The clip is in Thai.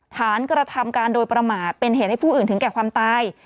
กระทำการโดยประมาทเป็นเหตุให้ผู้อื่นถึงแก่ความตาย